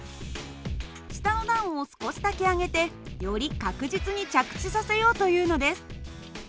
下の段を少しだけ上げてより確実に着地させようというのです。